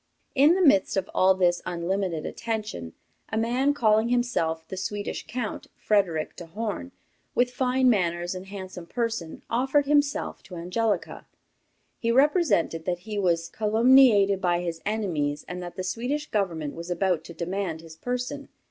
In the midst of all this unlimited attention, a man calling himself the Swedish Count, Frederic de Horn, with fine manners and handsome person, offered himself to Angelica. He represented that he was calumniated by his enemies and that the Swedish Government was about to demand his person.